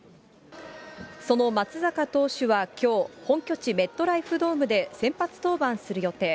その松坂投手はきょう、本拠地、メットライフドームで先発登板する予定。